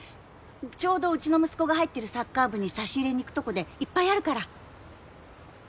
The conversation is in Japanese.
ちょうどうちの息子が入ってるサッカー部に差し入れに行くとこでいっぱいあるから